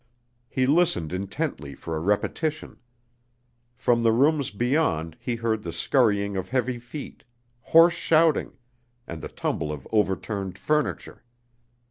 He listened intently for a repetition. From the rooms beyond he heard the scurrying of heavy feet, hoarse shouting, and the tumble of overturned furniture.